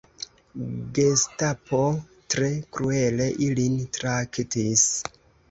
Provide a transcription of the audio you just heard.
Gestapo tre kruele ilin traktis.